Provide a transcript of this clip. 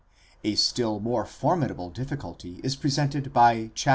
A still more formidable difficulty is presented by xviii.